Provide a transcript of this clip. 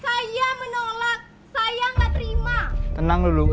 pak saya menolak